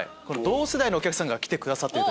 同世代のお客さんが来てくださってる。